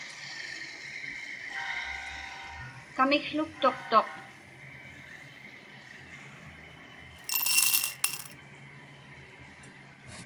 Kamikłuktuqtuq.